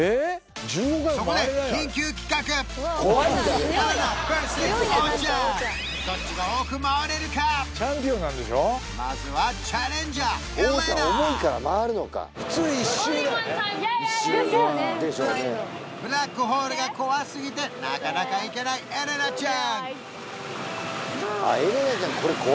そこで緊急企画まずはブラックホールが怖すぎてなかなか行けないエレナちゃん